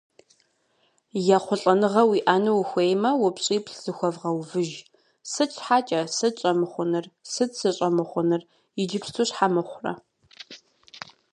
Ехъулӏэныгъэ уиӏэну ухуеймэ, упщӏиплӏ зыхуэвгъэувыж: Сыт Щхьэкӏэ? Сыт щӏэмыхъунур? Сыт сыщӏэмыхъунур? Иджыпсту щхьэ мыхъурэ?